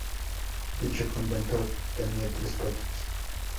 Dicho convento tenía tres patios.